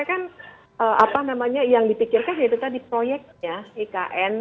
karena kan yang dipikirkan itu tadi proyeknya ikn